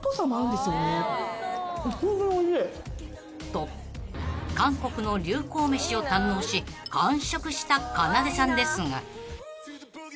［と韓国の流行飯を堪能し完食したかなでさんですが］